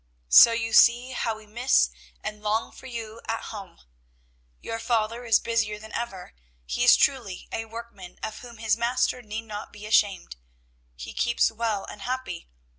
"So you see how we miss and long for you at home. "Your father is busier than ever. He is truly a workman of whom his Master need not to be ashamed. He keeps well and happy.